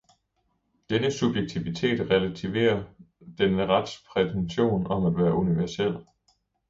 Denne subjektivitet relativerer denne rets prætention om at være universel.